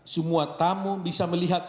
semua tamu bisa melihat